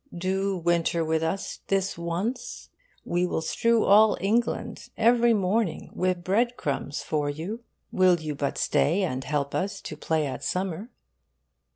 Do winter with us, this once! We will strew all England, every morning, with bread crumbs for you, will you but stay and help us to play at summer!